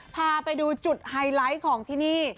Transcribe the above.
พาไปดูจุดไฮไลท์ของที่นี่